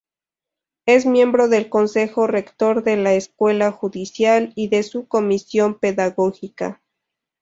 Es miembro del Consejo Rector de la Escuela Judicial y de su Comisión Pedagógica.